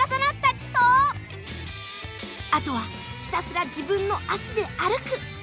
あとはひたすら自分の足で歩く。